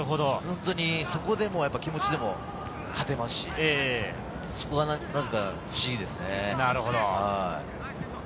本当にそこで気持ちでも勝てますし、そこはなぜか不思議ですね。